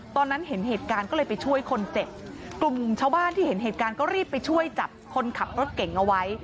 ตอนนั้นเห็นเหตุการณ์ก็เลยไปช่วยคนเจ็บกลุ่มชาวบ้านที่เห็นเหตุการณ์ก็รีบไปช่วยจับคนขับรถเก่งเอาไว้